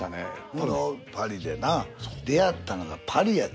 このパリでな出会ったのがパリやで。